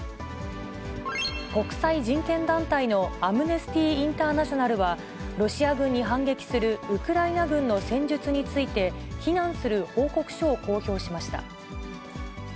国際人権団体のアムネスティ・インターナショナルは、ロシア軍に反撃するウクライナ軍の戦術について、非難する報告書を公表しました。